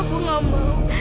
aku gak mau